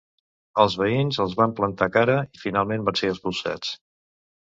Els veïns els van plantar cara i finalment van ser expulsats.